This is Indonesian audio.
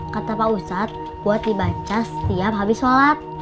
kata pak ustadz buat dibaca setiap habis sholat